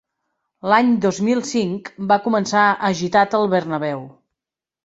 L'any dos mil cinc va començar agitat al Bernabéu.